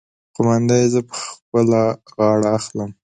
قومانده يې زه په خپله غاړه اخلم.